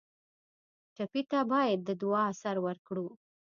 ټپي ته باید د دعا اثر ورکړو.